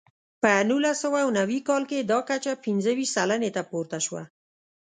په نولس سوه نوي کال کې دا کچه پنځه ویشت سلنې ته پورته شوه.